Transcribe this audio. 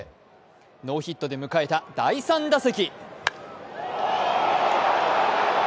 ノーヒットで迎えた第３打席。